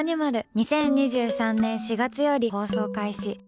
２０２３年４月より放送開始。